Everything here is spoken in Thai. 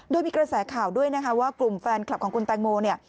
โดยมีกระแสข่าวด้วยนะคะว่ากลุ่มแฟนคลับของคุณแตงโมเนี่ย